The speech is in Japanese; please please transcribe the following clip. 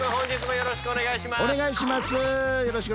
よろしくお願いします。